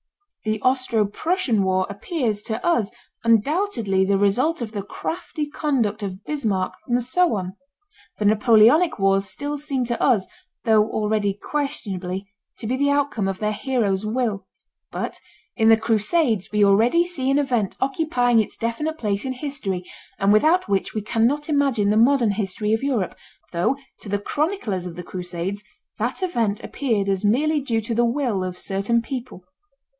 The Austro Prussian war appears to us undoubtedly the result of the crafty conduct of Bismarck, and so on. The Napoleonic wars still seem to us, though already questionably, to be the outcome of their heroes' will. But in the Crusades we already see an event occupying its definite place in history and without which we cannot imagine the modern history of Europe, though to the chroniclers of the Crusades that event appeared as merely due to the will of certain people.